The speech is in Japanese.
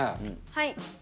はい。